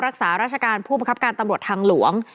รักษาราชการผู้บังคับการตำรวจทางหลวง